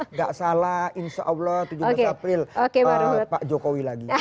nggak salah insya allah tujuh belas april pak jokowi lagi